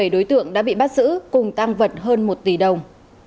hai mươi bảy đối tượng đã bị bắt giữ cùng tăng vật hơn một tỷ đồng